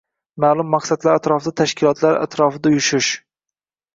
ma`lum maqsadlar atrofida tashkilotlar atrofida uyushish